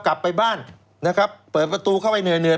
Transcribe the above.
กลับไปบ้านนะครับเปิดประตูเข้าไปเหนื่อยเหนื่อย